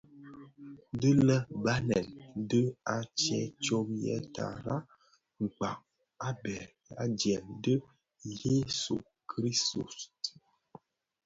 Dii lè Banèn di a tsee tsom yè tara kpag a bheg adyèm dhi Jesu - Kristus.